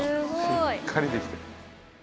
しっかりできてる。